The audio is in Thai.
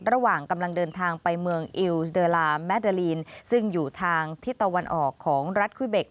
ระหว่างกำลังเดินทางไปเมืองอิลสเดอร์ลาแมเดอลีนซึ่งอยู่ทางทิศตะวันออกของรัฐคุ้ยเบค